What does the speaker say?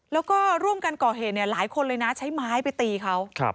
แล้วก็ร่วมกันก่อเหตุหลายคนเลยนะใช้ไม้ไปตีเขา